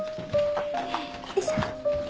よいしょ。